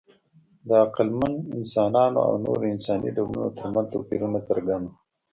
د عقلمن انسانانو او نورو انساني ډولونو ترمنځ توپیرونه څرګند وو.